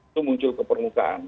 itu muncul ke permukaan